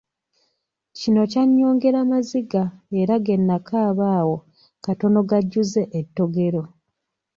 Kino kyannyongera maziga era ge nakaaba awo katono gajjuze ettogero.